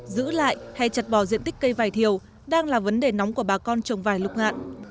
giữ lại hay chặt bỏ diện tích cây vải thiều đang là vấn đề nóng của bà con trồng vải lục ngạn